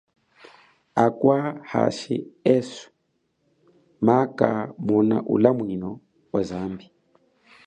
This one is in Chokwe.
Akwa hashi eswe maakamona ulamwino wa zambi.